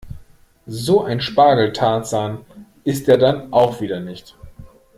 So ein Spargeltarzan ist er dann auch wieder nicht.